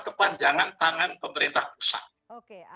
kepanjangan tangan pemerintah pusat